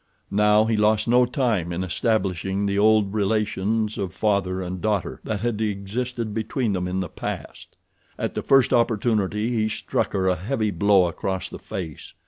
Now he lost no time in establishing the old relations of father and daughter that had existed between them in the past. At the first opportunity he struck her a heavy blow across the face.